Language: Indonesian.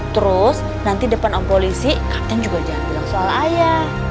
terus nanti depan om polisi kapten juga jangan bilang soal ayah